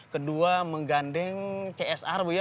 kedua menggandeng csr bu ya